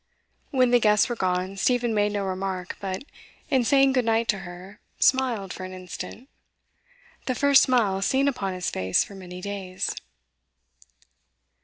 When the guests were gone, Stephen made no remark, but, in saying good night to her, smiled for an instant the first smile seen upon his face for many days.